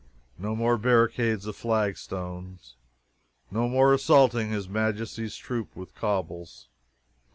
No more barricades of flagstones no more assaulting his Majesty's troops with cobbles.